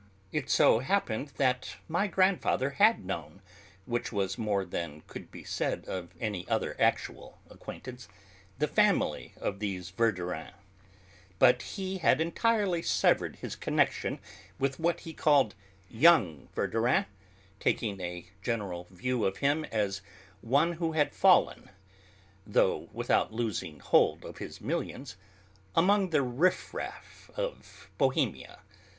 It so happened that my grandfather had known which was more than could be said of any other actual acquaintance the family of these Verdurins. But he had entirely severed his connection with what he called "young Verdurin," taking a general view of him as one who had fallen though without losing hold of his millions among the riff raff of Bohemia.